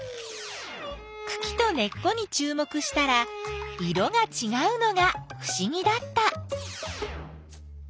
くきと根っこにちゅう目したら色がちがうのがふしぎだった。